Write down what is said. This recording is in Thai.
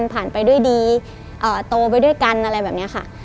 ไปด้วยดีโตไปด้วยกันอะไรแบบนี้ค่ะ